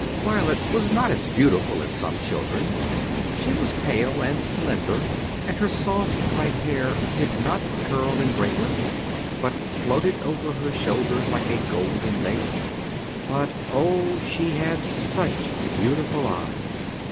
Violet was not as beautiful as some children. She was pale and slender, and her soft, light hair did not curl in ringlets, but floated over her shoulders like a golden veil. But O, she had such beautiful eyes!